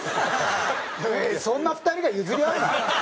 そんな２人が譲り合うな。